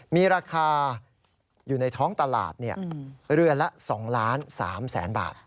มีราคาอยู่ในท้องตลาดเรือนละ๒ล้าน๓แสนบาท